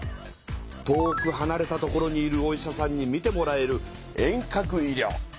遠くはなれた所にいるお医者さんにみてもらえる遠隔医療。